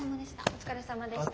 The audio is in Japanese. お疲れさまでした。